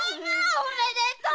おめでとう！